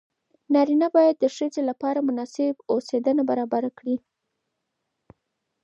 نارینه باید د ښځې لپاره مناسب اوسېدنه برابره کړي.